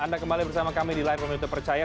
anda kembali bersama kami di live from youtube percaya